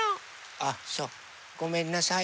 あっそうごめんなさい。